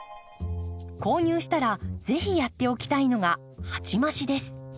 購入したら是非やっておきたいのが鉢増しです。